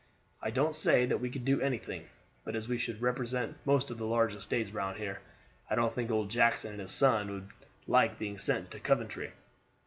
I don't say that we could do anything; but as we should represent most of the large estates round here, I don't think old Jackson and his son would like being sent to Coventry.